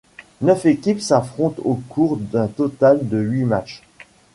Neuf équipes s'affrontent au cours d'un total de huit matchs.